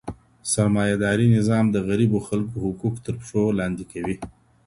سرمایه داري نظام د غریبو خلګو حقوق تر پښو لاندې کوي.